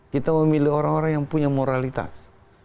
kita memilih orang orang yang punya moralitas